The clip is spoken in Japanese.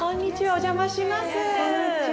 お邪魔します。